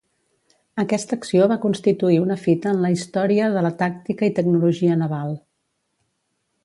Aquesta acció va constituir una fita en la història de la tàctica i tecnologia naval.